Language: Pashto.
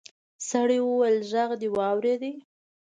سړي وويل غږ دې واورېد.